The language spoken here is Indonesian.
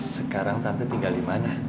sekarang tante tinggal di mana